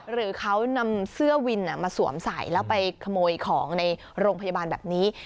หรือเขานำเสื้อวินมาสวมใส่แล้วไปขโมยของในโรงพยาบาลแบบนี้